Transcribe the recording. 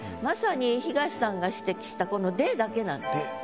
まさに東さんが指摘したこの「で」だけなんです。